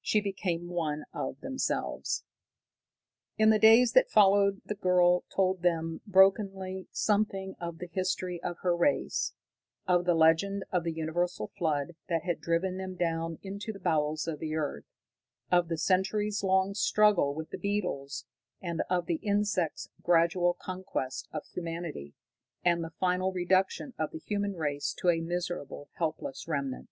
She became one of themselves. In the days that followed the girl told them brokenly something of the history of her race, of the legend of the universal flood that had driven them down into the bowels of the earth, of the centuries long struggle with the beetles, and of the insects' gradual conquest of humanity, and the final reduction of the human race to a miserable, helpless remnant.